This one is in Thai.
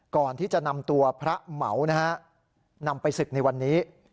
ก่อนที่จะนำตัวพระเหมานะฮะนำไปศึกในวันนี้